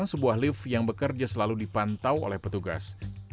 sebuah lift yang bekerja selalu dipantau oleh petugas